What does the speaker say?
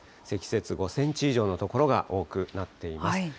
積雪５センチ以上の所が多くなっています。